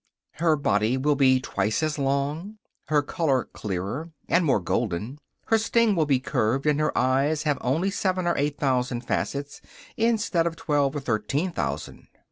Her body will be twice as long, her color clearer, and more golden; her sting will be curved, and her eyes have only seven or eight thousand facets instead of twelve or thirteen thousand.